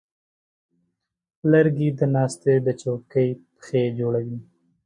لرګی د ناستې د چوکۍ پښې جوړوي.